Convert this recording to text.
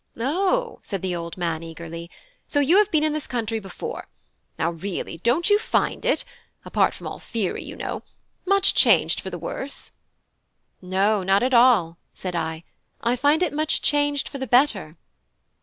"O," said the old man, eagerly, "so you have been in this country before. Now really, don't you find it (apart from all theory, you know) much changed for the worse?" "No, not at all," said I; "I find it much changed for the better."